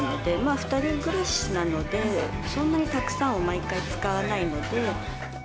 ２人暮らしなので、そんなにたくさんは毎回使わないので。